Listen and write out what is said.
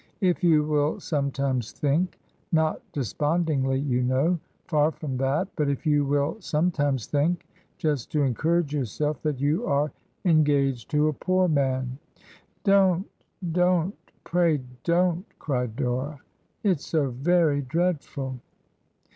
... If you ¥dll sometimes think — ^not despondingly, you know; far from that! — ^but if you will sometimes think — ^just to encourage yourself — that you are en gaged to a poor man —'' Don't, don't I Pray don't I" cried Dora. ' It's so very dreadful.'